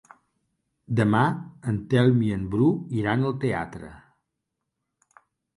Demà en Telm i en Bru iran al teatre.